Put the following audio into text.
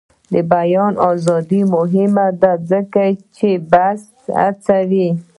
د بیان ازادي مهمه ده ځکه چې بحث هڅوي.